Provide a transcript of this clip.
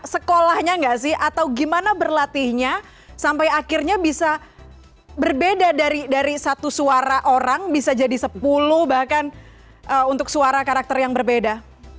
sekolahnya nggak sih atau gimana berlatihnya sampai akhirnya bisa berbeda dari satu suara orang bisa jadi sepuluh bahkan untuk suara karakter yang berbeda